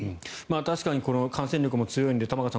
確かに感染力も強いので玉川さん